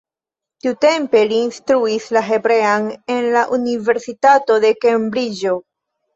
Tiutempe li instruis la hebrean en la Universitato de Kembriĝo.